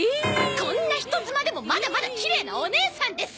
こんな人妻でもまだまだきれいなお姉さんです！